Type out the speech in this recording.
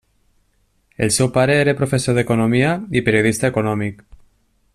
El seu pare era professor d'economia i periodista econòmic.